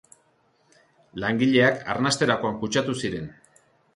Langileak arnasterakoan kutsatu ziren.